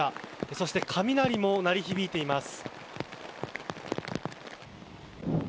そして雷も鳴り響いています。